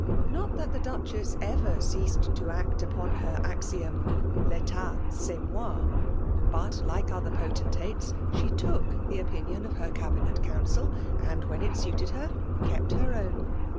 Not thai tho Duchess «ver ceased la Mt upon her axiom, C^tat c'est moi ; hat* like other potentaten, she took the opinion of her C9f binet couBcil^ and> when it suited her, kqpt her own.